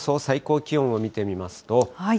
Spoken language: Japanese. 最高気温を見てみますと。